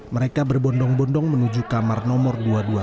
mereka berbondong bondong menuju kamar nomor dua ratus dua puluh satu